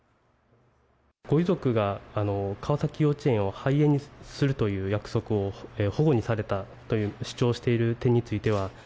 ご遺族が川崎幼稚園を廃園にするという約束を、ほごにされたという主張している点については。